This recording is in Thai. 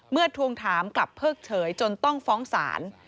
ทวงถามกลับเพิกเฉยจนต้องฟ้องศาล